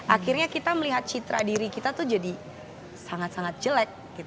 akhirnya kita melihat citra diri kita tuh jadi sangat sangat jelek